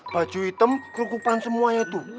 baju hitam kerukupan semuanya itu